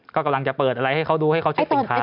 ก็กำลังจะเปิดอะไรให้เขาดูให้เขาเช็คสินค้า